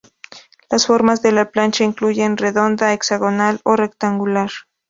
Las formas de la plancha incluyen redonda, hexagonal o rectangular.